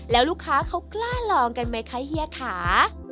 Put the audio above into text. แล้วลูกค้าเขากล้าลองกันไหมคะเฮียขา